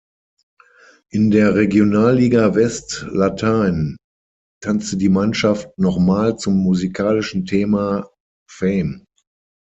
In der Regionalliga West Latein tanzte die Mannschaft nochmal zum musikalischen Thema „Fame“.